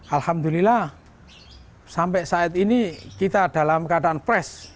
alhamdulillah sampai saat ini kita dalam keadaan fresh